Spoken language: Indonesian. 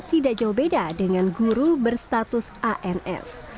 tidak jauh beda dengan guru berstatus ans